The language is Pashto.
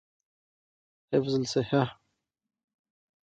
حفظی الصیحه